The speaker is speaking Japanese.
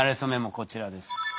こちらです。